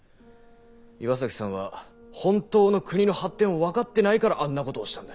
岩崎さんは本当の国の発展を分かってないからあんなことをしたんだ。